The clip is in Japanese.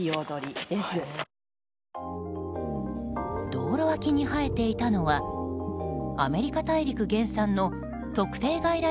道路脇に生えていたのはアメリカ大陸原産の特定外来